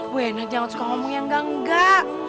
bu endang jangan suka ngomong yang enggak enggak